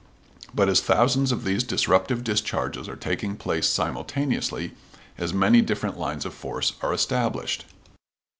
But as thousands of these disruptive discharges are taking place simultaneously as many different lines of force are established.